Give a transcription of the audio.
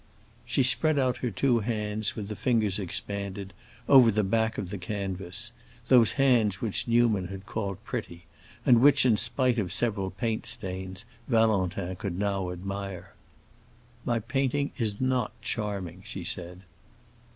She spread out her two hands, with the fingers expanded, over the back of the canvas—those hands which Newman had called pretty, and which, in spite of several paint stains, Valentin could now admire. "My painting is not charming," she said.